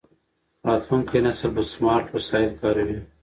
راتلونکی نسل به سمارټ وسایل کاروي.